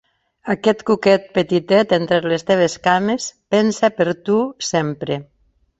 Aquest cuquet petitet entre les teves cames pensa per tu sempre.